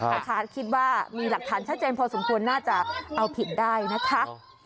นะคะคิดว่ามีหลักฐานชัดเจนพอสมควรน่าจะเอาผิดได้นะคะ